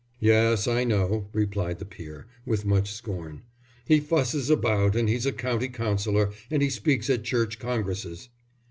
"Yes, I know," replied the peer, with much scorn. "He fusses about, and he's a County Councillor, and he speaks at Church Congresses."